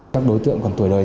các đối tượng còn tuổi đời